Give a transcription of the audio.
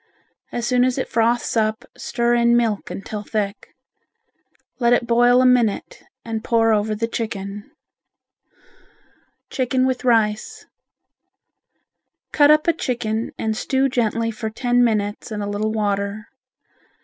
As soon as it froths up stir in milk until thick. Let it boil a minute and pour over the chicken. Chicken with Rice Cut up a chicken and stew gently for ten minutes in a little water.